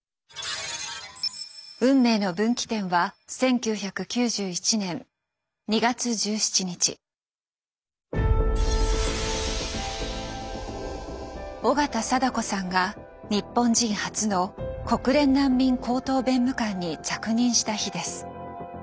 運命の分岐点は緒方貞子さんが日本人初の国連難民高等弁務官に着任した日です。